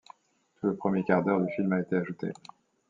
Tout le premier quart-d'heure du film a été ajouté.